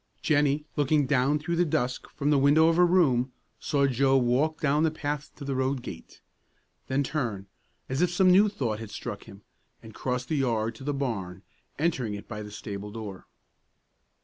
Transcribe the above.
Jennie, looking down through the dusk from the window of her room, saw Joe walk down the path to the road gate, then turn, as if some new thought had struck him, and cross the yard to the barn, entering it by the stable door.